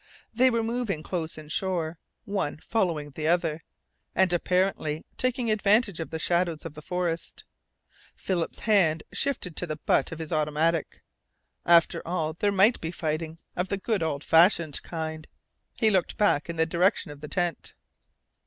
They were moving close in shore, one following the other, and apparently taking advantage of the shadows of the forest. Philip's hand shifted to the butt of his automatic. After all there might be fighting of the good old fashioned kind. He looked back in the direction of the tent.